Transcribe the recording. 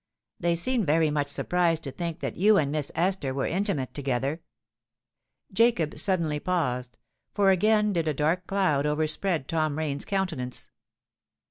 "They seemed very much surprised to think that you and Miss Esther were intimate together——" Jacob suddenly paused—for again did a dark cloud overspread Tom Rain's countenance.